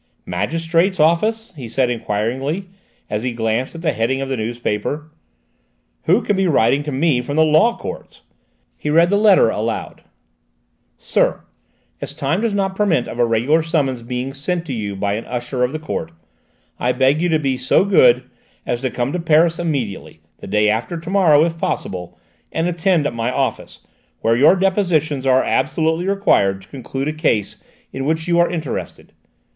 "Magistrates' office?" he said enquiringly, as he glanced at the heading of the notepaper. "Who can be writing to me from the Law Courts?" He read the letter aloud: "Sir: As time does not permit of a regular summons being sent to you by an usher of the court, I beg you to be so good as to come to Paris immediately, the day after to morrow if possible, and attend at my office, where your depositions are absolutely required to conclude a case in which you are interested.